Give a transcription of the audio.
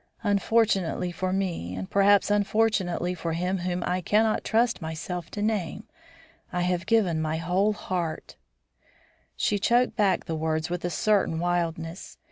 Unfortunately for me, and perhaps unfortunately for him whom I cannot trust myself to name, I have given my whole heart " She choked back the words with a certain wildness.